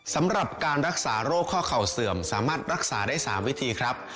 สำหรับการรักษาโรคข้อเข่าเสื่อมสามารถรักษาได้๓วิธีครับ